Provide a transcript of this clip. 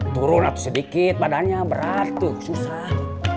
turun sedikit badannya berat tuh susah